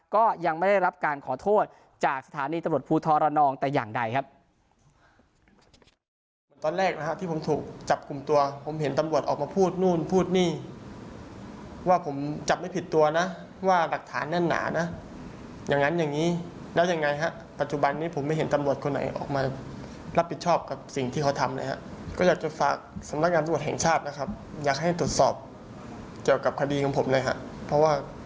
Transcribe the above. ก็ยังไม่ได้รับการขอโทษจากสถานีตำรวจภูทรระนองแต่อย่างใดครับ